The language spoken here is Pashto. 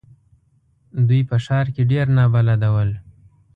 دوی په ښار کې ډېر نابلده ول.